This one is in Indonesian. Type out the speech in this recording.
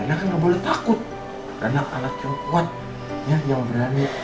ini gak boleh takut karena alat yang kuat yang berani